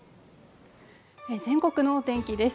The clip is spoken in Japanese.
全国のお天気です